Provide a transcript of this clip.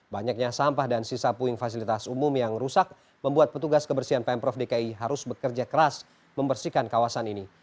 banyaknya sampah dan sisa puing fasilitas umum yang rusak membuat petugas kebersihan pemprov dki harus bekerja keras membersihkan kawasan ini